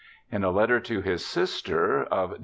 In a letter to his sister of Dec.